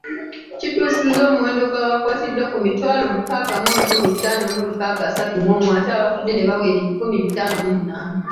Kituusizza omuwendo gw’abakwatiddwa ku mitwalo mukaaga mu enkumi ttaano mu lukaaga asatu mu omu ate abafudde ne bawera ebikumi bitaano mu munaana.